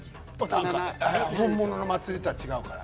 本物の祭りとは違うから。